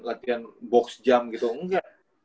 latihan box jump gitu enggak